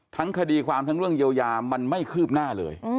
คดีความทั้งเรื่องเยียวยามันไม่คืบหน้าเลย